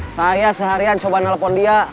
saya seharian coba nelpon dia